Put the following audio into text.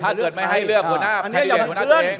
แล้วถือไม่ให้เรียนหัวหน้าหัวหน้าตัวเอง